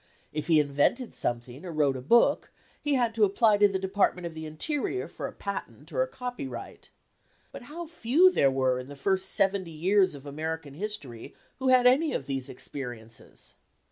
If he invented something, or wrote a book, he had to apply to the Department of the Interior for a patent or a copyright. But how few there were in the first seventy years of American history who had any of these experiences!